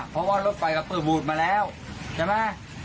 เพราะว่ารถไฟก็เปิดบูดมาแล้วใช่ไหม